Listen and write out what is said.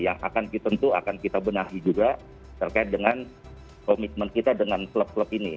yang akan kita bentuh akan kita benahi juga terkait dengan komitmen kita dengan klep klep ini